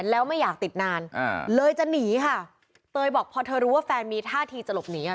แล้วไม่อยากติดนานอ่าเลยจะหนีค่ะเตยบอกพอเธอรู้ว่าแฟนมีท่าทีจะหลบหนีอ่ะ